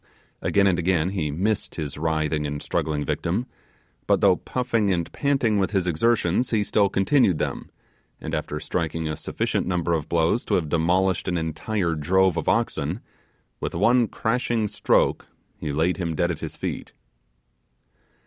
Again and again he missed his writhing and struggling victim, but though puffing and panting with his exertions, he still continued them; and after striking a sufficient number of blows to have demolished an entire drove of oxen, with one crashing stroke he laid him dead at his feet.